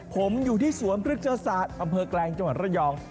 ผมอยู่ที่สวมฤกษาศาสตร์บแกล้งจังหวัดระยอง